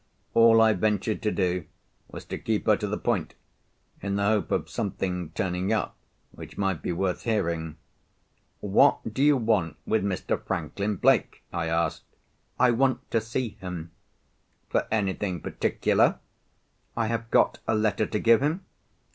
All I ventured to do was to keep her to the point—in the hope of something turning up which might be worth hearing. "What do you want with Mr. Franklin Blake?" I asked. "I want to see him." "For anything particular?" "I have got a letter to give him."